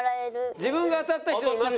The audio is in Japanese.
自分が当たった人います？